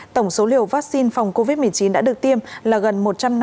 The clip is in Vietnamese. tổng số liều vaccine phòng covid một mươi chín đã được tiêm là gần một trăm linh